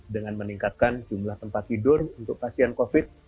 dengan meningkatkan jumlah tempat tidur untuk pasien covid